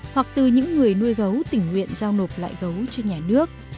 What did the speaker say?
hoặc từ những người nuôi gấu tình nguyện giao nộp lại gấu cho nhà nước